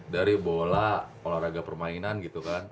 dari bola olahraga permainan gitu kan